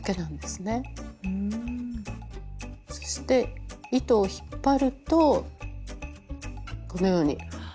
そして糸を引っ張るとこのように。